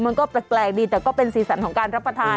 มันก็แปลกดีแต่ก็เป็นสีสันของการรับประทาน